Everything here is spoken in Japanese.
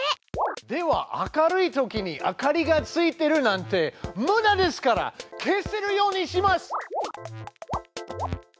では明るいときに明かりがついてるなんてむだですから消せるようにします！